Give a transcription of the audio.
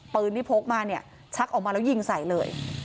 ปืนที่พกมาเนี่ยชักออกมาแล้วยิงใส่เลย